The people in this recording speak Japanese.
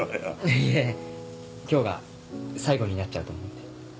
いえ今日が最後になっちゃうと思うんで。